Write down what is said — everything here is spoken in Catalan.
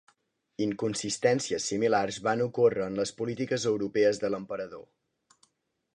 Inconsistències similars van ocórrer en les polítiques europees de l'emperador.